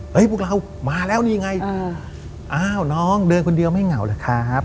พวกเรามาแล้วนี่ไงอ้าวน้องเดินคนเดียวไม่เหงาเหรอครับ